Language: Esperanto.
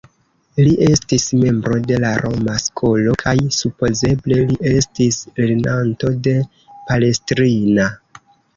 Li estis membro de la Roma Skolo, kaj supozeble li estis lernanto de Palestrina.